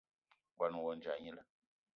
Ngón ohandja gnila